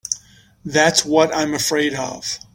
That's what I'm afraid of.